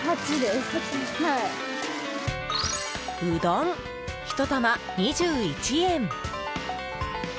うどん、１玉２１円。